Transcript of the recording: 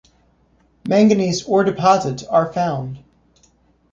Manganese ore deposits are found.